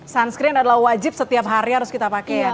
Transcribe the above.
sunscreen adalah wajib setiap hari harus kita pakai ya